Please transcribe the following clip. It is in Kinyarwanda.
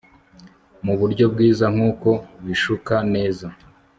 Muburyo bwiza nkuko bishuka neza